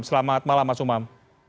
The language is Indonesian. selamat malam mas umam